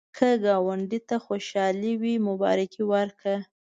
که ګاونډي ته خوشالي وي، مبارکي ورکړه